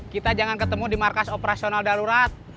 kita jangan ketemu di markas operasional darurat